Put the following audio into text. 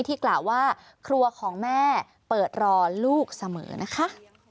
กล่าวว่าครัวของแม่เปิดรอลูกเสมอนะคะ